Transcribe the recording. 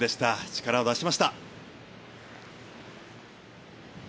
力を出しました。